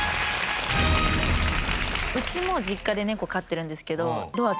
うちも実家でネコ飼ってるんですけどドア